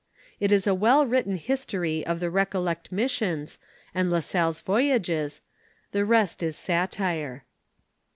It is a well written history of the Rec ollect missions and La Salle's voyages, the rest is satire.